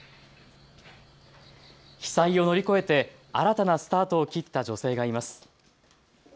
被災を乗り超えて新たなスタートを切った女性がいます。